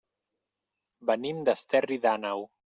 Venim d'Esterri d'Àneu.